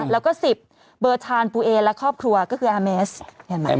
แล้วก็๑๐เบอร์ทานปูเอและครอบครัวก็คืออาเมสเห็นไหม